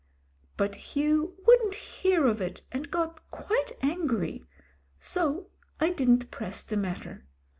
But Hugh wouldn't hear of it, and got quite angry — so I didn't press the matter.